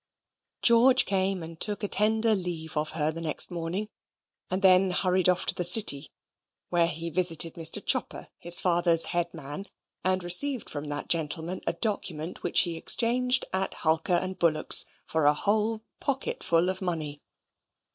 George came and took a tender leave of her the next morning; and then hurried off to the City, where he visited Mr. Chopper, his father's head man, and received from that gentleman a document which he exchanged at Hulker & Bullock's for a whole pocketful of money.